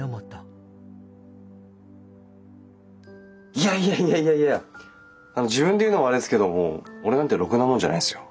いやいやいやいやいや自分で言うのもあれなんですけどもう俺なんてロクなもんじゃないですよ。